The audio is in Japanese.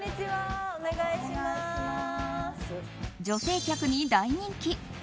女性客に大人気！